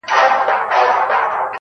عمليات ور وکی خو متاسفانه کاميابه نه سو